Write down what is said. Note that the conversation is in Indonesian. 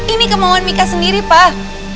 ini kemauan mika sendiri pak